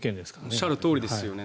おっしゃるとおりですよね。